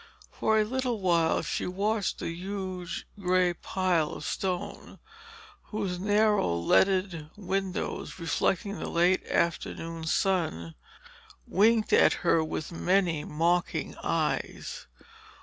For a little while she watched the huge, grey pile of stone, whose narrow leaded windows reflecting the late afternoon sun, winked at her with many mocking eyes.